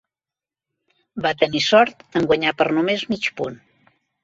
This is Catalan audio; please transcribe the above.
Va tenir sort, en guanyar per només mig punt.